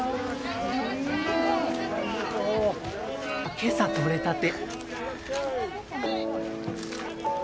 今朝取れたて。